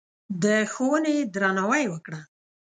د ښوونې درناوی وکړه.